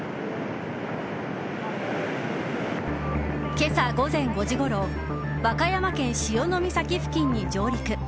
今朝午前５時ごろ和歌山県潮岬付近に上陸。